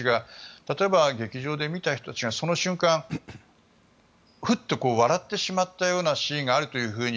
例えば、劇場で見た人たちがその瞬間ふっと笑ってしまったようなシーンがあるというふうに。